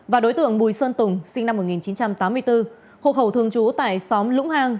và đối tượng bùi xuân tùng sinh năm một nghìn chín trăm tám mươi bốn hộ khẩu thường trú tại xóm lũng hang